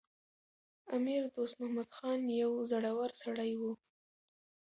امیر دوست محمد خان یو زړور سړی و.